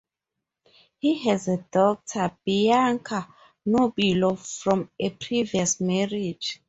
He has a daughter, Bianca Nobilo, from a previous marriage.